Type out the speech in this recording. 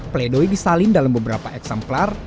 play doh disalin dalam beberapa eksemplar